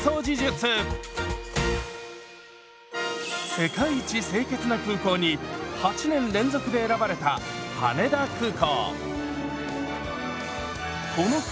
「世界一清潔な空港」に８年連続で選ばれた羽田空港。